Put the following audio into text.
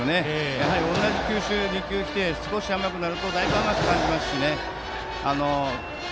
やはり、同じ球種が２球きて少し甘くなるとだいぶ甘くなりますしね。